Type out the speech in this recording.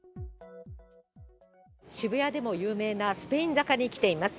渋谷でも有名なスペイン坂に来ています。